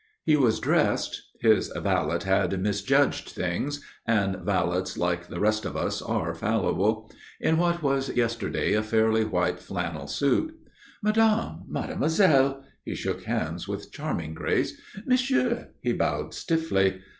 He was dressed (his valet had misjudged things and valets like the rest of us are fallible) in what was yesterday a fairly white flannel suit. "Madame Mademoiselle." He shook hands with charming grace. "Monsieur." He bowed stiffly.